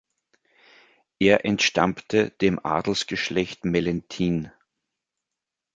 Er entstammte dem Adelsgeschlecht Mellenthin.